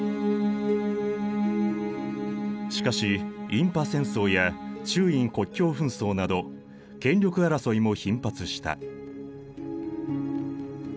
しかし印パ戦争や中印国境紛争など権力争いも頻発した。